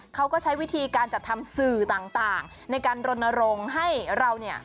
เขาก็ใช้วิธีการจัดทำสื่อต่างในการรณรงค์ให้เราเนี่ย